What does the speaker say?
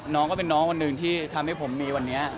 น้องก็เป็นน้องวันหนึ่งที่ทำให้ผมมีวันนี้